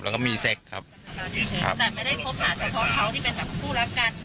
แล้วก็มีเซ็กครับแต่ไม่ได้คบหาเฉพาะเขาที่เป็นแบบคู่รักกัน